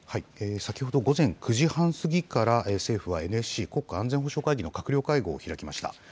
先ほど午前９時半過ぎから、政府はＮＳＣ・国家安全保障会議の閣僚会合を開きました。